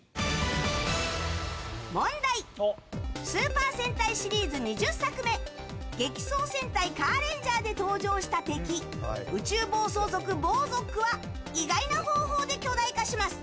問題、スーパー戦隊シリーズ２０作目「激走戦隊カーレンジャー」で登場した敵宇宙暴走族ボーゾックは意外な方法で巨大化します。